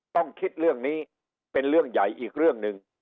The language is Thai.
ต้องคิดเรื่องนี้เป็นเรื่องใหญ่อีกเรื่องหนึ่ง